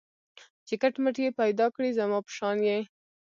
چي کټ مټ یې پیدا کړی زما په شان یې